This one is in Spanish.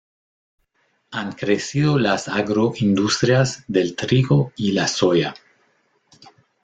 Han crecido las agroindustrias del trigo y la soya.